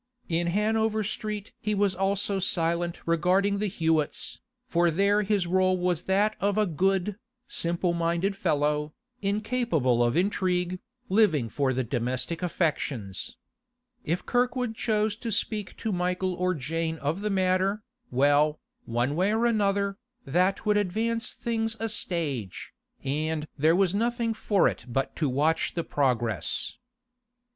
In Hanover Street he was also silent regarding the Hewetts, for there his role was that of a good, simple minded fellow, incapable of intrigue, living for the domestic affections. If Kirkwood chose to speak to Michael or Jane of the matter, well, one way or another, that would advance things a stage, and there was nothing for it but to watch the progress.